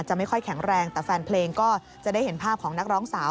ไม่ค่อยแข็งแรงแต่แฟนเพลงก็จะได้เห็นภาพของนักร้องสาว